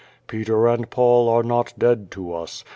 Peter and I'aul are not dead to us.